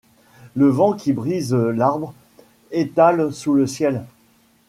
Le vent qui brise l’arbre, étalent sous le ciel